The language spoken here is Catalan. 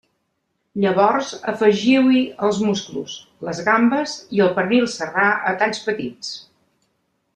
Llavors afegiu-hi els musclos, les gambes i el pernil serrà a talls petits.